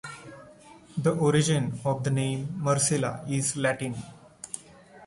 The origin of the name Marcella is Latin.